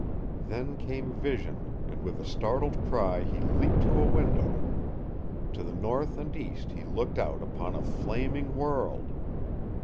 Then came vision, and with a startled cry he leaped to a window. To the north and east he looked out upon a flaming world!